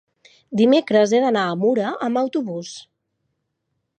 dimecres he d'anar a Mura amb autobús.